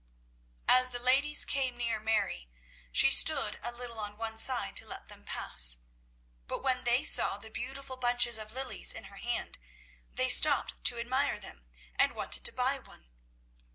As the ladies came near Mary, she stood a little on one side to let them pass; but when they saw the beautiful bunches of lilies in her hand they stopped to admire them, and wanted to buy one.